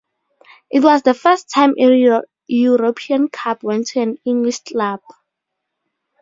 It was the first time a European cup went to an English club.